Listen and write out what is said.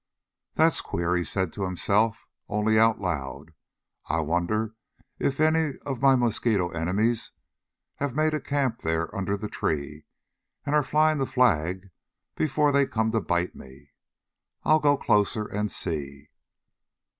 "That's queer," he said to himself, only out loud. "I wonder if any of my mosquito enemies have made a camp there under the trees, and are flying the flag before they come to bite me? I'll go closer and see."